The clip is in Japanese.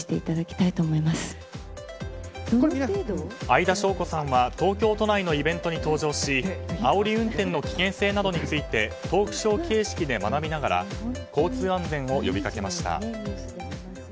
相田翔子さんは東京都内のイベントに登場しあおり運転の危険性などについてトークショー形式で学びながら交通安全を呼びかけました。